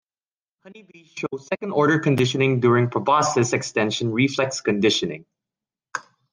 Honeybees show second-order conditioning during proboscis extension reflex conditioning.